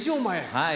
はい。